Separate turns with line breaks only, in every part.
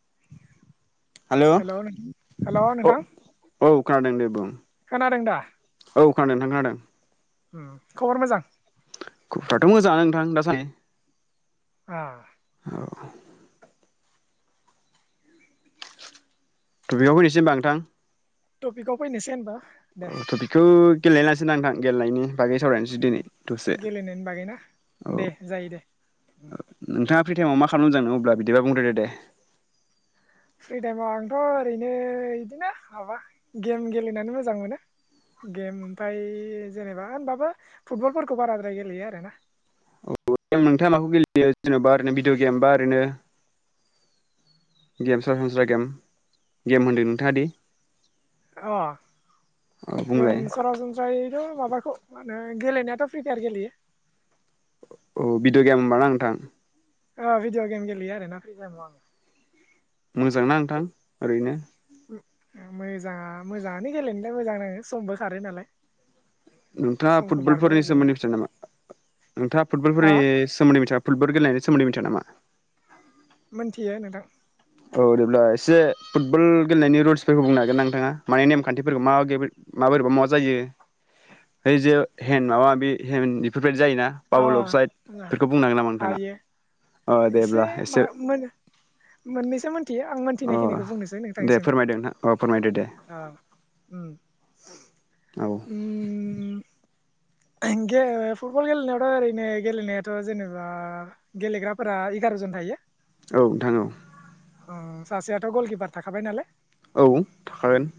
[inaudible]
हेल' hello
औ
नोंथां।
औ खोनादों दे बुं।
खोनादों दा
औ खोनादों नोंथां खोनादों।
खबर मोजां?
खबराथ' मोजाङानो नोंथां दासानदि।
आ
औ। थ बेयाव फैसै ओमबा नोंथां।
टपिकआव फैनोसै होनबा। दे
औ थ बेखौ। गेलेलासो नोंथां गेलेनायनि बागै सावरायनोसो दिनै। दसे
गेलेनायनि बागैना
औ
दे जायो दे।
नोंथाङा फ्रि टाइमाव मा खालामजांदों अब्ला बिदिबा बुंग्रोदो दे
फ्रि टाइमाव आंथ' ओरैनो बिदिनो माबा गेम गेलेनानै मोजां मोनो गेम ओमफ्राय जेनेबा होनबाबो फुटबलफोरखौ बाराद्राय गेलेयो आरोना।
अ नोंथाङा माखौ गेलेयो जेनेबा ओरैनो भिदिअ गेमबा ओरैनो? गेमस्रा सानस्रा गेम गेम होन्दों नोंथाङादि?
अ गेम
बुंलाय
सरासनस्रायैथ' माबाखौ मा होनो। गेलेनायाथ' फ्रिपायार गेलेयो।
अ भिडिअ' गेम होनबा ना नोंथां?
ओ भिदिअ गेम गेलेयो आरोना फ्रि टाइमाव आङो।
मोजांना नोंथां ओरैनो?
मोजाङा मोजाङानो गेलेनो दा मोजां नाङो समबो खारो नालाय।
नोंथाङा
समखौ
फुटबलफोरनि
बारग'होजोबनो
सोमोन्दै मिथिया नामा नोंथाङा
हा
फुटबलफोरनि सोमोन्दै मिथिया? फुटबल गेलेनायनि सोमोन्दै मिथिया नामा?
मोनथियो नोंथां।
औ बिदिब्ला एसे फुटबल गेलेनायनि रुल्सफोरखौ बुंनो नागिरोना नोंथाङा माने नेमखान्थिफोरखौ मा माब बोरैबा माबा जायो इ जे हे माबा माबि हे बेफोर। पेट जायोना पउल अफसाइद
अ
बेफोरखौ बुंनांगोन नामा नोंथाङा?
हायो
अ
एसे
देब्ला
मा मोनो। थ' मोनथियो, आं
अ
मोनथिनायखिनिखौ बुंनोसै
दे
नोंथांसिम।
फोरमायदो नोंथां अ फोरमायदो दे
औ उम
औ
उम गे फुटबल गेलेनायावथ' ओरैनो गेलेनायाथ' जेनोबा गेलेग्राफोरा एगारजन थायो।
औ नोंथां औ।
उम सासेयाथ' गलकिपार थाखाबाय नालाय।
औ थाखागोन।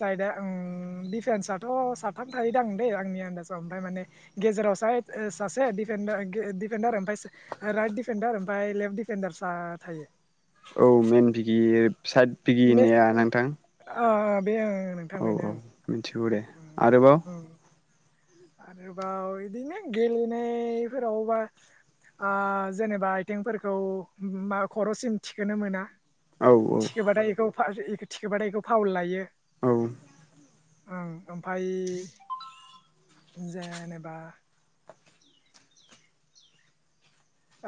साइदआ उम डिफेन्साथ' साथाम थायोदां दै आंनि आन्दाजाव ओमफ्राय माने गेजेराव सायड ओ सासे डिफेन्डार ओ गे डिफेन्डार ओमफ्राय सा राइट डिफेन्डार ओमफ्राय लेफ्ट डिफेन्डार सा थायो।
औ मेन बिगि साइड बिगिनिया नोंथां?
अ अ बे ओं नोंथां
औ
बेनो
औ मिथिगौ दे।
ओं
आरोबाव?
ओं आरोबाव बिदिनो गेलेनायफोरावबा ओ जेनोबा आथिंफोरखौ मा खरसिम थिखोनो मोना।
औ औ।
फा इ इखौ थिखोबाथायखौ इखौ फावल लायो।
औ।
ओं ओमफ्राय जेनोबा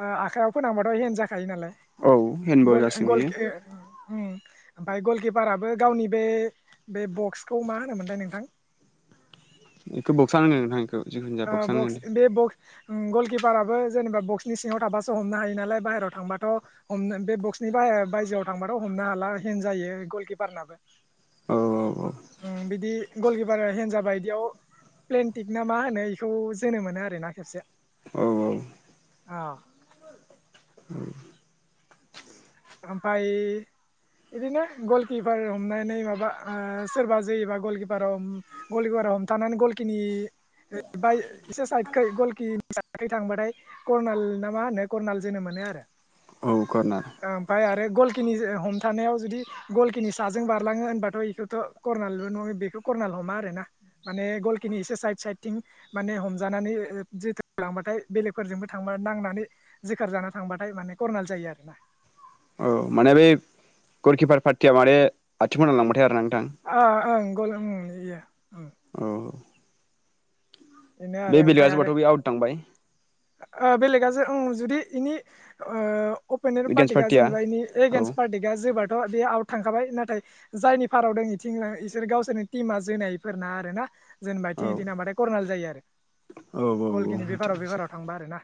आ आखायाव फोनांबाथाय हेन‌ जा खायो नालाय।
औ हेन्दबल
गल एण्ड
जासिगोन
गल
बेयो
के ओ उम ओमफ्राय गलकिपाराबो गावनि बे बे बक्सखौ मा होनोमोनथाय नोंथां?
बेखौ बक्सआ होनोन नोंथां बेखौ जिखुनु जाया बक्सआ होनो।
उम गलकिपाराबो जेनोबा बक्स नि सिङाव थाबासो हमनो हायो नालाय बाहेरायाव थांबाथ हमनो बे बक्सनि बायजोआव थांबाथ हमनो हाला हेन जायो गलकिपारनाबो।
औ औ औ
उम बिदि गलकिपारा हेन जाबा बिदियाव प्लेनटिक ना मा होनो बेखौ जोनो मोनो आरोना खेबसे।
औ औ
औ। ओमफाय बिदिनो गलकिपार हमनानै माबा ओ सोरबा जोयोबा गलकिपाराव गलकिपारा हमथानानै गलकिनि एसे साइदखो गलकिनि साइडखो थांबाथाय कर्नाल ना मा होनो कर्नाल जोनो मोनो आरो।
औ कर्नार
ओमफाय आरो गलखिनिजे ओ हमथानायाव जुदि गलखिनि साजों बारलाङो होनबाथ' बेखौथ' करर्नाल नङा बेखौ करर्नाल हमा आरोना माने गलखिनि एसे साइद साइदथिं माने हमजानानै जोथोन लांबाथाय बेलेगफोरजोंबो थांबा नांनानै जोखार जाना थांबाथाय माने करर्नाल जायो आरोना।
औ माने बै गलकिपार पार्टिया माने आथिङाव नांलांबायथाय आरोना नों
अ ओं गल ओं एयो ओं।
औ
बेनो आरो
बे बेलेगा
ओमफ्राय आरो
जोबाथ' बे आउट थांबाय
ओ बेलेगा जो ओं जुदि इनि ओ अपनेन्ट
एगेन्स्ट
पार्टिआ
पार्टिया
जेनोबा इनि
औ
एगैन्स्ट पार्टिआ जोबाथ‌' बे आउट थांखाबाय ना थाय जायनि फाराव दं इथिं इसोर गावसोरनि टिमा जोनायफोरना आरोना। जेनोबा इथिं इथिं
औ
थांबाथाय करनाल जायो आरो।
औ औ
गलखिनि बेफाराव
मिथिगौसो
बेफाराव थांबा आरोना।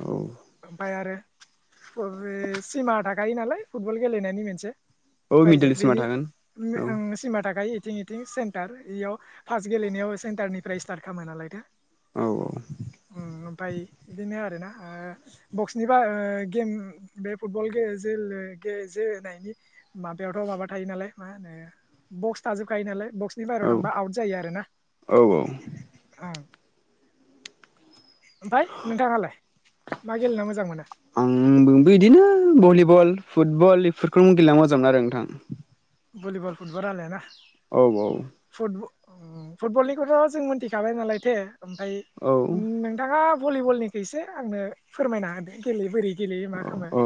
औ
ओमफ्राय आरो सिमा थाखायो नालाय फुटबल गेलेनायनि मोनसे
औ मिडिल
बायजो
सिमा
बेनि
थागोन औ
सिमा थाखायो इथिं इथिं सेन्टार इयाव फास गेलेनायाव सेन्टारनि फ्राय स्टार्ट खालामाय नालाय दा
औ
[unintelligible] ओमफाय बिदिनो आरोना बक्सनि बा गेम बे फुटबल जोनायनि माबायावथ' माबा थायो नालाय मा होनो बक्स थाजोबखायो नालाय बक्सनि बाहेरायाव
औ औ
थांबा आउट जायो आरो ना
औ औ
ओं ओमफाय नोंथाङालाय मा गेलेना मोजां मोनो
बल फुटबल बेफोरखौनो गेलेना मोजां मोनो आरो नोंथां
भलिबल फुटबल आरो ना
औ औ
फुटबलनिखौथ' जों मिथिखाबाय नालाय थे ओमफ्राय
औ
नोंथाङा भलिबलनिखो इसे आंनो फोरमायना होदो गेले बोरै गेलेयो मा खालामो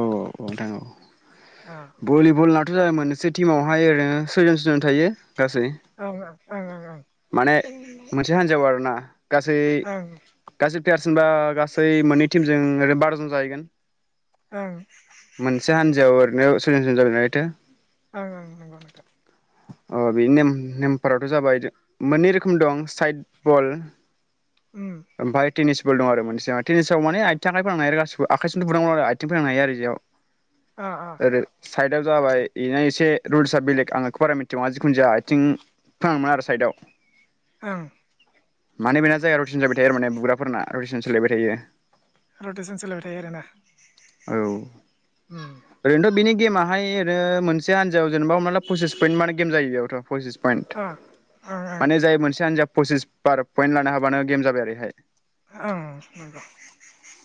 औ
भलिबल ना मोनसे टिमावहाय ओरै सयजोन सयजोन थायो गासै
ओं ओं ओं ओं
माने मोनसे हान्जाव आरो ना गासै
ओं
गासै प्लेयारस होनबा गासै मोननै टिमजों ओरैनो बार'जन जाहैगोन
ओं ओं
मोनसे हान्जायाव [unintelligible]
ओं ओं नंगौ नंगौ
अ बेनि नेम नेमफोराथ' जाबाय मोननै रोखोम दं साइद बल
उम
ओमफ्राय टेनिस दं आरो मोनसे टेनिसाव माने आथिं आखाइ फोनांनो हायो आरो गासिबो आखाइजों दं आरो आइथिं फैनांनो हायो आरो बेयाव
अ अ
ओरै साइदाव जाबाय इना एसे रुल्सआ बेलेग आं बेखौ बारा मिथि आथिङा जिखुनदिया आथिं फोनांनोमोना आरो साइदआव
ओं
माने बेना जाया रुटिन सोलायबाय थायो आरो माने बुग्राफोरना रुटेसन सोलायबाय थायो
रटेसन सोलायबाय था फिथाय आरोना
औ
औ।
ओरैनोथ' बिनि गेमाहाय ओरो मोनसे हान्जायाव जेनेबा हमना ला पसिस पइन्ट मार गेम जायो बेयावथ' पसिस पइन्ट
अ ओं ओं
माने जाय मोनसे हानजा पसिस बार पइन्ट लानो हाबानो गेम जाबाय ओरैहाय।
ओं नंगौ।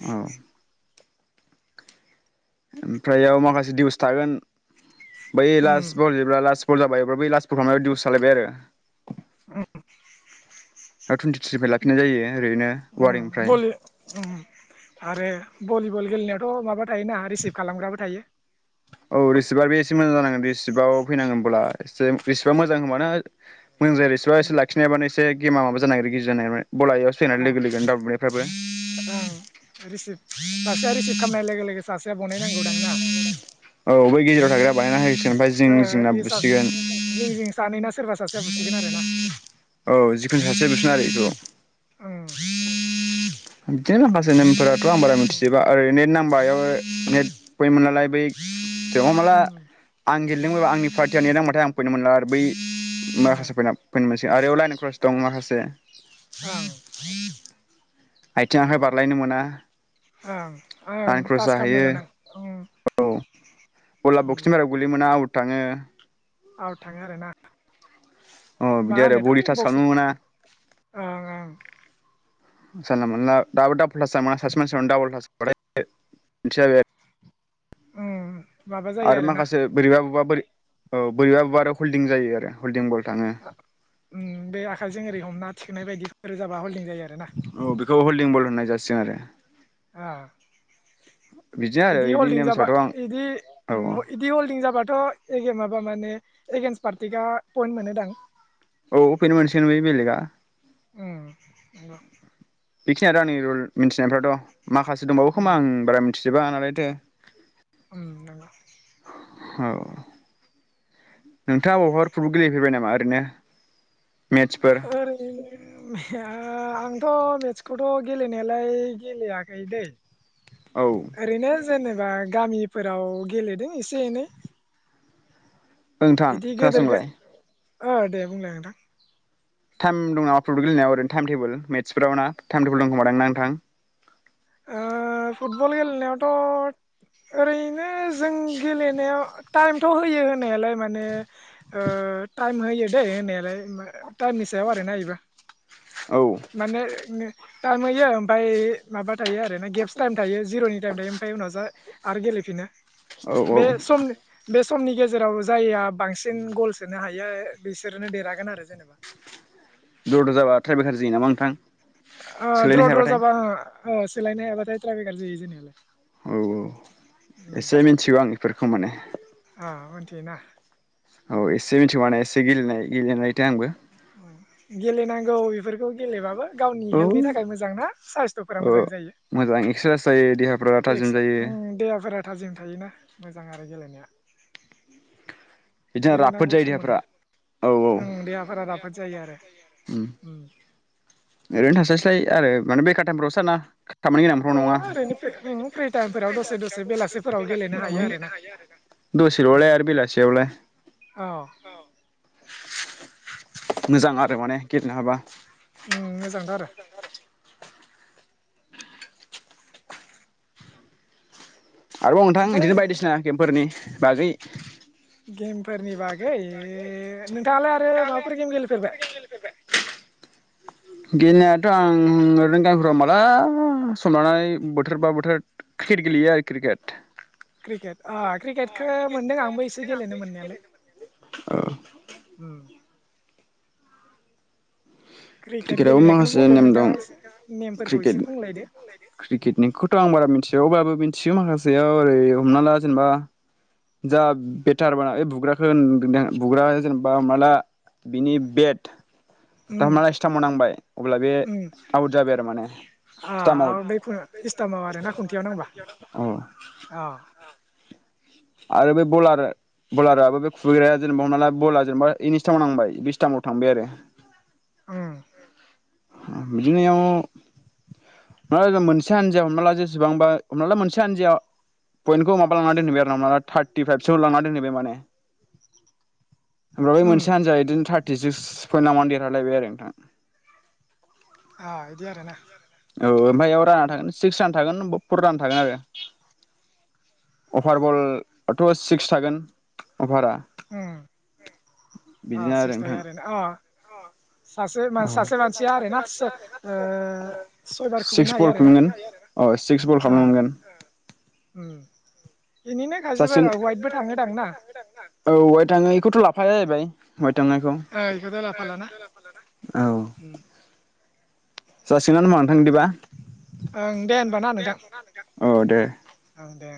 औ ओमफ्रायाव माखासे दिउस थागोन। बै
उम
लास बल जेब्ला लास [unintelligible] जाबायब्ला बै लास्ट [unintelligible] दिउस सालायबाय आरो।
उम
आरो टुइन्टिथ्रिनिफ्राय लाखिनाय जायो ओरैनो
उम
वारिंनिफ्राय
बलि उम हारे भलिबल गेलेनायावथ' माबा थायोना रिसिभ खालामग्राबो थायो।
औ रिसिभार बे एसे मोजां जानांगोन रिसिभआव फैनांगोनबोला एसे रिसिभा मोजां होनबानो मोजां जाया रिसिभा
उम
एसे लाखिनो हायाबानो से गेमा माबा जानो नागेरो [unintelligible]
औ औ रिसिभ सासेया रिसिभ खाम नाय लोगो लोगो सासेया बनायनांगौ दां ना?
औ बै गेजेराव थाग्राया बानायना होयो।
ओ इसास जिं जिं सानैना सोरबा सासेया बुसिगोन आरोना।
औ जिखुनु सासेया बुसिगोन आरो इखौ।
उम
[unintelligible] खौ आं बारा
उम
मिथिजोबा आरैनो नाम बायाव नेट [unintelligible] मोन नालाय बै बेयाव हमना ला
उम
आं गेलदोंबाबो आंनि पार्टिया नेेनांबाथाय
उम
आं पइन्ट मोनला आरो बै
उम
माखासे [unintelligible] मोनसि आरोबाव लाइन क्रस दं माखासे
ओं
आइथिं आखाइ
नंगौ
बारलायनो मोना
ओं ओं
आन क्रस
टास खालामनो मोना उम
जाहैयो औ बला बक्सनि
उम
बाहेराव गोलैनो मोना आवट। ताङो।
आउट थाङो आरो ना?
अ बिदि
मा
आरो बडि
होनोथाय
टाच खालामनो
बक्सिं
मोना
ओं ओं।
जानला मानला दाबो [unintelligible]
ओं उम। माबा जायो
आरो
आरोना
माखासे बोरैबा बुबा बोरै औ बोरैबा बुबा आरो हल्डिं जायो आरो हल्डिं बल। थाङो
उम बे आखाइजों ओरै हमना थिखोनाय बायदि रोजाबा हल्दिं जायो आरोना
औ बेखौ हल्डिं बल होननाय जा सो आरो।
हा
बिदिनो आरो बिनि नेमसाथ' आं
थ'
औ
एगे माबा माने एगेन्सट पार्टिकआ पइन्ट मोनो दां।
औ पइन्ट मोनसिगोन बे बेलेगा।
उम
बेखिनिया आंनि रुल मिन्थिनायफ्राथ' माखासे दंबावो
उम
खोमा आं बारा थिजोबा नालाय थो
उम नोंगौ।
औ नोंथाङा बबावबाफोर फुटबल गेलेफेरबाय नामा ओरैनो मेट्सफोर
ओरै आं थ' मेस्टखौथ' गेलेनायालाय गेलेयाखै दै।
औ
ओरैनो जेनेबा गामिफोराव गेलेदों एसे एनै।
नोंथां
बिदि गेदेर
खोनासंलाय।
ओ दे बुंलाय नोंथां।
टाइम दं नामा फुटबल गेलेनायाव ओरैनो टाइम टेबोल मेटसफोराव ना टाइम टेबोल दंखोमादां ना नोंथां?
ओ फुटबल गेलेनायावथ' ओरैनो जों गेलेनायाव टाइमथ' होयो होननायालाय माने ओ टाइम होयो दे होनायालाय टाइमनि सायाव आरो ना इबो।
औ
माने टाइम होयो ओमफाय माबा थायो आरो ना गेप्स टाइम थायो जिर'नि टाइम थायो ओमफाय उनाव जा आरो गेलेफिनो।
औ औ
बे सम बे समनि गेजेराव जाइआ बांसिन गल सोनो हायो बिसोरनो देरहागोन आरो जेनेबा।
द्र द्र जाबा टाइम बेखार जायो नामा नोंथां?
ओ
सोलायनो
द्र द्र
हायाबाथाय
जाबा ओ सोलायनो हायाबाथाय टाइम बेेकार जोयो जोनायालाय।
औ औ एसे मिन्थिगौ आं। फोरखौ माने
ओ मिन्थियो ना?
औ एसे मिथिगौ माने एसे गेलेनाय गेलेनायथो आंबो।
ओ गेलेनांगौ इफोरखौ गेलेबाबो गावनि
औ
हेल्थनि थाखाय मोजां ना साइस्थ'फोरा
औ
मोजां जायो,
मोजां एक्सारसाइस जायो देहाफ्रा थाजिम
एक्स
जायो
ओम देहाफोरा थाजिम थायोना मोजां आरो गेलेनाया।
बिदिनो राफोद
गेलेनांगौ
जायो
सम
देहाफोरा
मोनबा
औ औ
ओं देहाफोरा राफोद जायो आरो
[inaudible] उम ओरैनो थास्लायस्लाय आरो माने बेकार टाइमफ्राव सो आरोना। खामानि गोनांफ्राव नङा
ओरैनो फ्रि टाइमफोराव दसे दसे बेलासिफोराव गेलेनो हायो आरोना
[inaudible] दसेल'लाय आरो बेलासियावलाय।
औ
[inaudible] मोजां आरो माने गेलेनो हाबा।
उम मोजांथ' आरो।
आरोबाव नोंथां
ओमफ्राय
इदिनो बायदिसिना गेमफोरनि बागै
गेम फोरनि बागै ओ नोंथाङालाय आरो माबाफोर गेम गेलेफेरबाय?
गेलेनायाथ' आं ओरैनो गामिफोराव माला सम लानानै बोथोरबा बोथोर क्रिकेट गेलेयो आरो क्रिकेट।
क्रिकेट अ क्रिकेटखो मोनदों आंबो एसे गेलेनो मोन्नायालाय।
औ
[inaudible] उम क्रिकेट
क्रिकेटआवबो
गेलेनायखौनो
माखासे
बुंदो
नेम
नोंथाङा
दं
एसे नेमफोरखौ एसे
क्रिकेट,
बुंलायदो
क्रिकेटनिखौथ' आं बारा मिथिया अबाबो मिनथियो माखासेयाव ओरै हमना ला जेनेबा जा बेटार बाना ओय बुग्रााखो होगोनदे आं बुग्राया जेनेबा हमना ला बिनि बेट दा
उम
हमना ला स्थामाव नांबाय अब्ला बे
उम
आउट जाबाय आ थारमाने
आ बै इस्टामाव आरो ना खुन्थियाव नांबा
औ
अ।
आरो बे बलार बलाराबो बे खुुबैग्राया जेनेबा हमना ला बला जेनेबा इनि स्थामाव नांबाय बि स्थामाव थांबाय आरो।
[unintelligible]
बिदिनो इयाव [inaudible] हमना ला जों मोनसे हानजायाव हमना ला जेसेबांबा हमना ला मोनसे हानजायाव पइन्टखौ माबा लांना दोनहैबाय आरो हमना ला थार्टिफाइभसो लांना दोनहैबाय माने होमब्ला बै
उम
मोनसे हान्जाया इदिनो थार्ट [unintelligible] पयेन लांबानो देरहालायबाय आरो नोंथां।
आ इदि आरोना?
औ ओमफाय इयाव राना थागोन सिक्स रान थागोन फर रान थागोन [inaudible] आरो अफार बलाथ' सिक्स थागोन अफारा।
उम। आ सिक्स थायो आरोना अ। सासे
[unintelligible] ओ
सासे मानसिया आरो ना ओ सयबार
सिक्स
हायो
बल
आरो ना
खुबैनो मोनगोन, अ सिक्स बल
ओ
खालामनो मोनगोन।
उम बिनिनो
सासेन
खायसेफोरा
[inaudible]
वाइटबो थाङो दां ना
वाइदबो थाङो इखौथ' लाफाया जाहैबाय। हवाइद
ओ इखौथ' लाफा लाना? उम
जासिगोन होनबा नोंथांदिबा
ओं दे होनबा ना नोंथां
[unintelligible] अ दे
ओं दे